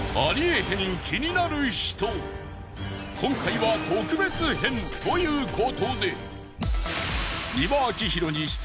今回は特別編！ということで。